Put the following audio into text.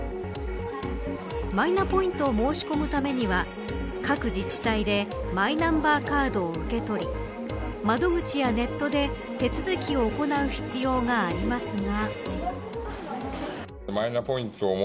マイナポイントを申し込むためには各自治体でマイナンバーカードを受け取り窓口やネットで手続きを行う必要がありますが。